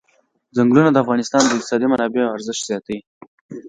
ځنګلونه د افغانستان د اقتصادي منابعو ارزښت زیاتوي.